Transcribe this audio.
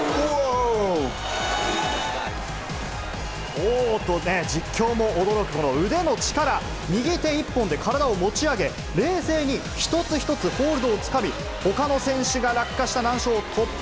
おーと、実況も驚くほど、腕の力、右手一本で体を持ち上げ、冷静に一つ一つ、ホールドをつかみ、ほかの選手が落下した難所を突破。